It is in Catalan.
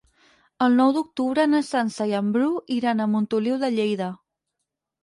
El nou d'octubre na Sança i en Bru iran a Montoliu de Lleida.